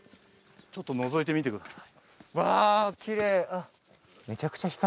ちょっとのぞいてみてください